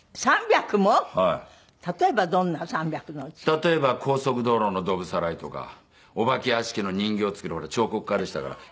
例えば高速道路のドブさらいとかお化け屋敷の人形作る俺彫刻科でしたから。